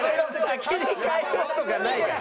「先に帰ろう」とかないから。